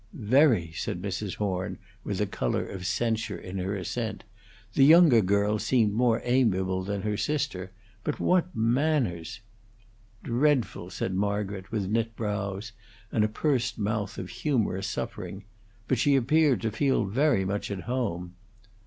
"Very," said Mrs. Horn, with a color of censure in her assent. "The younger girl seemed more amiable than her sister. But what manners!" "Dreadful!" said Margaret, with knit brows, and a pursed mouth of humorous suffering. "But she appeared to feel very much at home."